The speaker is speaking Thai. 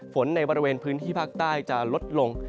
ในบริเวณพื้นที่ภาคใต้จะลดลง